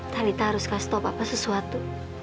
talitha harus kasih tau papa sesuatu